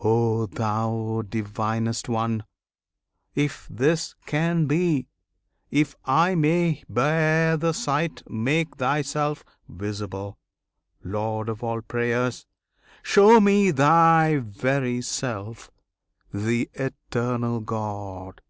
O Thou Divinest One! If this can be, if I may bear the sight, Make Thyself visible, Lord of all prayers! Show me Thy very self, the Eternal God!